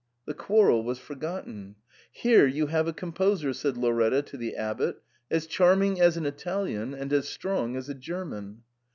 The quarrel was for gotten. * Here you have a composer,' said Lauretta to the abbot, ' as charming as an Italian and as strong as a German.